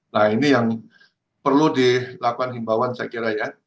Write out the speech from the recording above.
nah ini yang perlu dilakukan himbauan saya kira ya